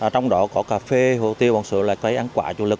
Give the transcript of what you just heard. trong đó có cà phê hồ tiêu bằng sự ăn quả chủ lực